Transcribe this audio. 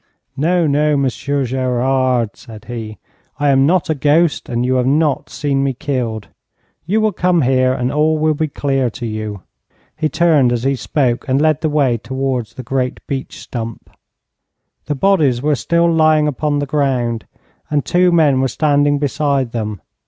'No, no, Monsieur Gerard,' said he, 'I am not a ghost, and you have not seen me killed. You will come here, and all will be clear to you.' He turned as he spoke, and led the way towards the great beech stump. The bodies were still lying upon the ground, and two men were standing beside them.